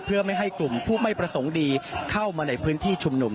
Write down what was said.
เพื่อไม่ให้กลุ่มผู้ไม่ประสงค์ดีเข้ามาในพื้นที่ชุมนุม